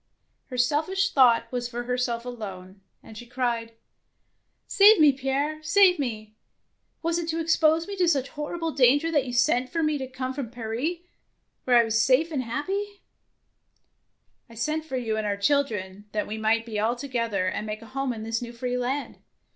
Her selfish thought was for herself alone, and she cried, —" Save me, Pierre, save me. Was it to expose me to such horrible danger that you sent for me to come from Paris, where I was safe and happy " I sent for you and our children, that we might all be together and make a home in this new free land.